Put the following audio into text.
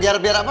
biar biar apa